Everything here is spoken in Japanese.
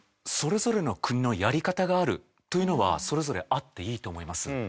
それぞれの国のやり方があるというのはそれぞれあっていいと思います。